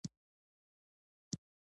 د میوو پیټۍ له پلاستیک او کارتن جوړیږي.